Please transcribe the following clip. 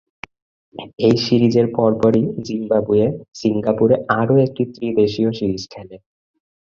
এই সিরিজের পরপরই জিম্বাবুয়ে, সিঙ্গাপুরে আরো একটি ত্রি-দেশীয় সিরিজ খেলে।